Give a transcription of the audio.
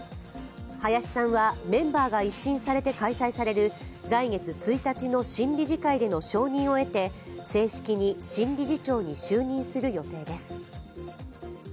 林さんはメンバーが一新されて開催される来月１日の新理事会での承認を得て正式に新理事長に就任する予定です。